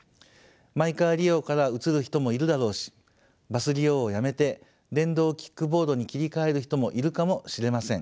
マイカー利用から移る人もいるだろうしバス利用をやめて電動キックボードに切り替える人もいるかもしれません。